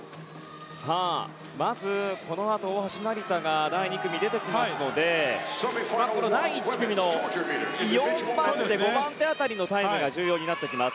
まず、このあと大橋、成田が出てきますのでこの第１組の４番手、５番手当たりのタイムが重要になってきます。